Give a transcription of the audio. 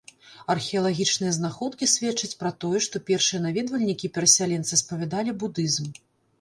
Археалагічныя знаходкі сведчаць пра тое, што першыя наведвальнікі і перасяленцы спавядалі будызм.